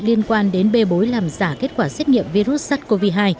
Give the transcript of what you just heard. liên quan đến bê bối làm giả kết quả xét nghiệm virus sars cov hai